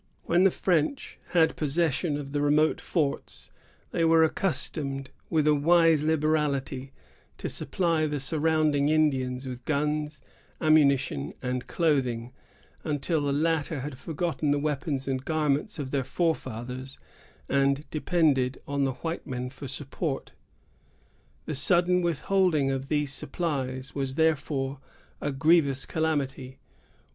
When the French had possession of the remote forts, they were accustomed, with a wise liberality, to supply the surrounding Indians with guns, ammunition, and clothing, until the latter had forgotten the weapons and garments of their forefathers, and depended on the white men for support. The sudden withholding of these supplies was, therefore, a grievous calamity.